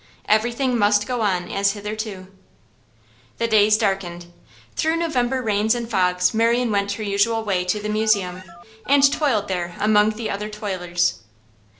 Everything must go on as hitherto. The days darkened. Through November rains and fogs Marian went her usual way to the Museum, and toiled there among the other toilers.